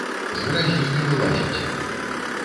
З гразі не вылазіце.